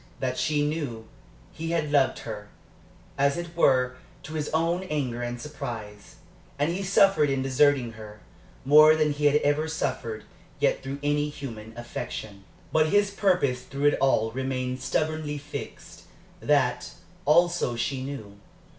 That she knew. He loved her, as it were, to his own anger and surprise. And he suffered in deserting her, more than he had ever suffered yet through any human affection. But his purpose through it all remained stubbornly fixed; that, also, she knew.